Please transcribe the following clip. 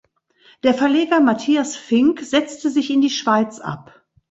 Der Verleger Mathias Finck setzte sich in die Schweiz ab.